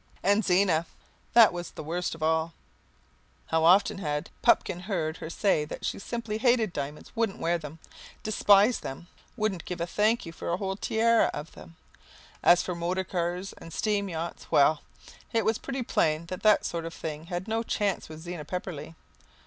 And Zena! That was the worst of all. How often had, Pupkin heard her say that she simply hated diamonds wouldn't wear them, despised them, wouldn't give a thank you for a whole tiara of them! As for motor cars and steam yachts, well, it was pretty plain that that sort of thing had no chance with Zena Pepperleigh.